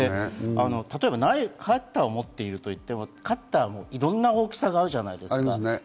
例えばカッターを持っているといってもいろんな大きさがあるじゃないですか。